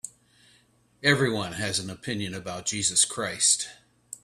Everyone has an opinion about Jesus Christ.